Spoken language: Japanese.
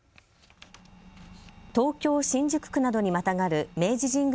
東京新宿区などにまたがる明治神宮